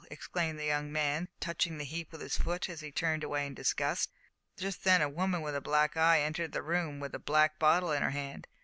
exclaimed the young man, touching the heap with his foot as he turned away in disgust. Just then a woman with a black eye entered the room with a black bottle in her hand.